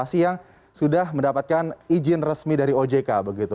yang sudah mendapatkan izin resmi dari ojk begitu